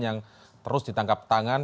yang terus ditangkap tangan